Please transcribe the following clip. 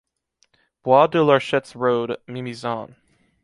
Bois de Larchets Road, Mimizan